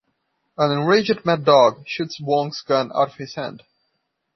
An enraged Mad Dog shoots Wong's gun out of his hand.